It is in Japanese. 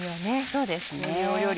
そうですね。